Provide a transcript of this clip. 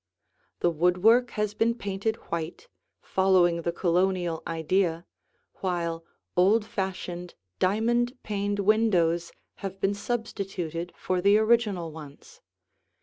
The woodwork has been painted white, following the Colonial idea, while old fashioned, diamond paned windows have been substituted for the original ones.